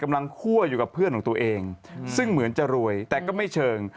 คั่วอยู่กับเพื่อนของตัวเองซึ่งเหมือนจะรวยแต่ก็ไม่เชิง